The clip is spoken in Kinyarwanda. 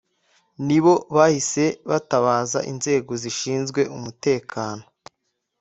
nibo bahise batabaza inzego zishinzwe umutekano